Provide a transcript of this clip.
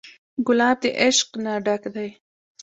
ګلاب د عشق نه ډک دی.